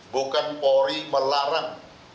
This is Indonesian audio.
bukan mori melarang